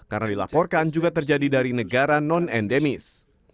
karena dilaporkan juga terjadi dari negara non endemis